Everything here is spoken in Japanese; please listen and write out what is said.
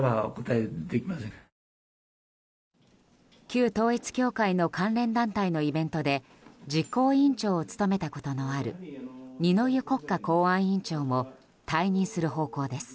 旧統一教会の関連団体のイベントで実行委員長を務めたことのある二之湯国家公安委員長も退任する方向です。